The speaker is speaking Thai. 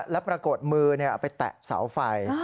แล้วปรากฏมือไปแตะเสาไฟ